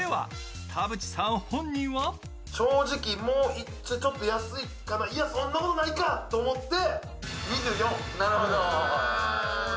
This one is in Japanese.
正直、もうちょっと安いかな、いやそんなことないかと思って２４。